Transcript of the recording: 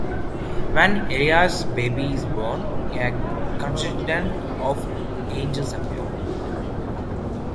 When Ellie's baby is born, a contingent of angels appear.